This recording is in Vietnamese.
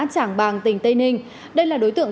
trảng bàng tỉnh tây ninh đây là đối tượng